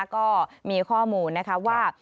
ก็มีข้อมูลนะคะว่า